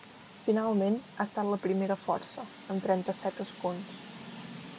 Finalment, ha estat la primera força, amb trenta-set escons.